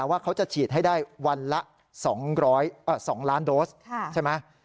ว่าเขาจะฉีดให้ได้๒ล้านโดสต์